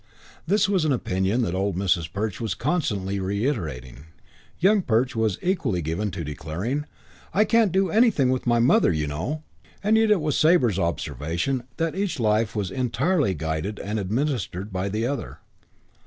This was an opinion that old Mrs. Perch was constantly reiterating. Young Perch was equally given to declaring, "I can't do anything with my Mother, you know." And yet it was Sabre's observation that each life was entirely guided and administered by the other.